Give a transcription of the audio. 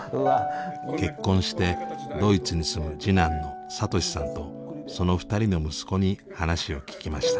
結婚してドイツに住む次男の聡さんとその２人の息子に話を聞きました。